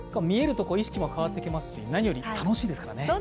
見えると意識も変わってきますし、何より楽しいですからね。